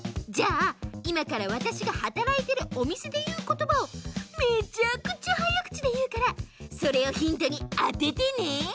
じゃあいまからわたしがはたらいてるおみせでいうことばをめちゃくちゃはやくちでいうからそれをヒントにあててね。